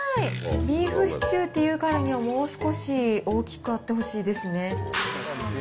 ビーフシチューっていうからには、もう少し大きくあってほしいですね。